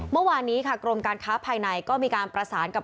เมื่อวานนี้ค่ะกรมการค้าภายในก็มีการประสานกับ